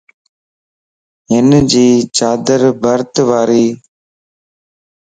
ھنجي چادر برت واريَ